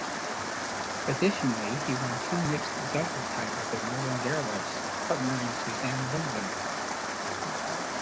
Additionally he won two mixed doubles titles at Roland Garros partnering Suzanne Lenglen.